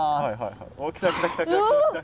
お来た来た来た来た。